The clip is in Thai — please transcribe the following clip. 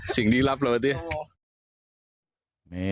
สิ่งดีลับหรอเฮะตลอด